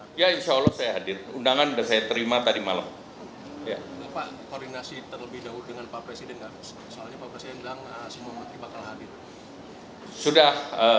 saya menjelaskan pertukok si pemerintah